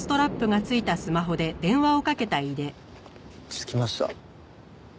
着きました。